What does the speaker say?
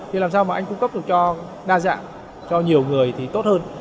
thì làm sao mà anh cung cấp được cho đa dạng cho nhiều người thì tốt hơn